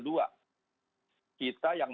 dua kita yang